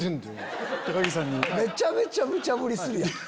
めちゃめちゃむちゃぶりするやん。